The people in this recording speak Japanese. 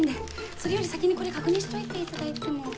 それより先にこれ確認しておいていただいても？